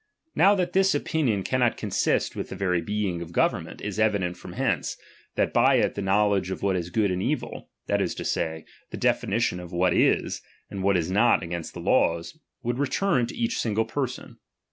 Now that this opinion cannot consist with the very being of government, is evident from hence ; that by it the knowledge of what is good and evil, that is to say, the definition of what is, and what is not against the laws, would return to each single per son.